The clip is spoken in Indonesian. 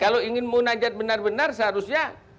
kalau ingin munajat benar benar seharusnya